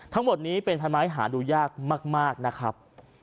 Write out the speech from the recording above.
ทั้งหมดนี้เป็นพันไม้หาดูยากมากนะครับ